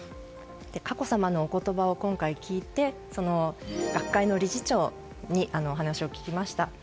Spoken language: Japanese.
佳子さまのお言葉を今回聞いて学会の理事長に話を聞きました。